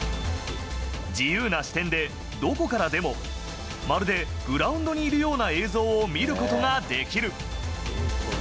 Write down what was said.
自由な視点で、どこからでも、まるでグラウンドにいるような映像を見ることができる。